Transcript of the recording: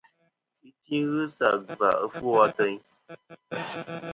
Iti ghɨ sɨ gvà ɨfwo ateyn.